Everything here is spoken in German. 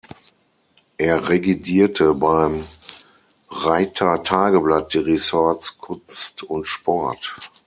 Er redigierte beim Rheydter Tageblatt die Ressorts "Kunst" und "Sport".